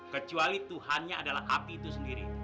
kecuali tuhannya adalah api itu sendiri